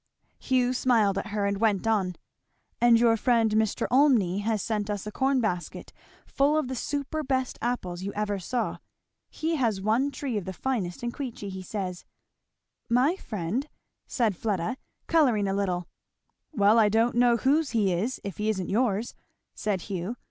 Hugh smiled at her, and went on. "And your friend Mr. Olmney has sent us a corn basket full of the superbest apples you ever saw. He has one tree of the finest in Queechy, he says." "My friend!" said Fleda, colouring a little. "Well I don't know whose he is if he isn't yours," said Hugh.